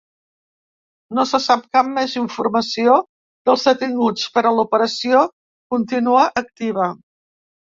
No se sap cap més informació dels detinguts, però l’operació continua activa.